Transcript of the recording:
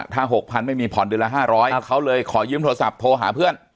ถ้า๖๐๐ไม่มีผ่อนเดือนละ๕๐๐เขาเลยขอยืมโทรศัพท์โทรหาเพื่อน